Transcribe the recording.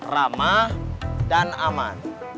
ramah dan aman